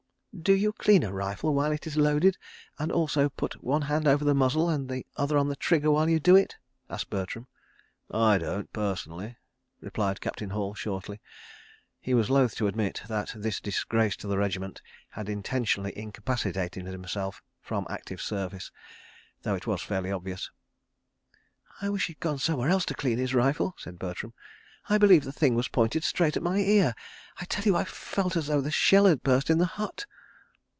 ..." "Do you clean a rifle while it is loaded, and also put one hand over the muzzle and the other on the trigger while you do it?" asked Bertram. "I don't, personally," replied Captain Hall, shortly. He was loath to admit that this disgrace to the regiment had intentionally incapacitated himself from active service, though it was fairly obvious. "I wish he'd gone somewhere else to clean his rifle," said Bertram. "I believe the thing was pointed straight at my ear. I tell you—I felt as though a shell had burst in the hut."